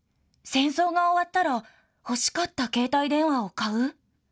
戦争が終わったら、欲しかった携帯電話を買う？